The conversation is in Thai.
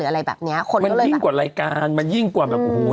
ทุกวงการ